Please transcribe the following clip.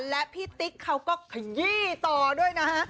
และพี่ติ๊กเขาก็ขยี้ต่อด้วยนะฮะ